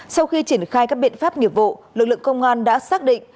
sau khi triển khai các biện pháp nghiệp vụ lực lượng công an đã xác định